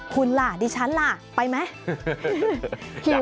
คุณล่ะดิฉันล่ะไปไหม